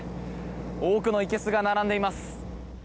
多くのいけすが並んでいます。